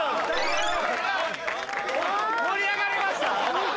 ・盛り上がりましたね・